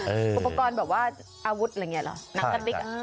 อุปกรณ์แบบว่าอาวุธอะไรอย่างเงี้ยหรอ